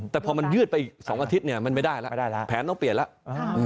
แต่พอมันยืดไปอีก๒อาทิตย์เนี่ยมันไม่ได้แล้วแผนต้องเปลี่ยนแล้ว